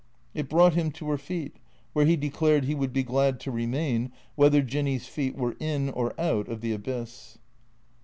It brought him to her feet, where he declared he would be glad to remain, whether Jinny's feet were in or out of the abyss.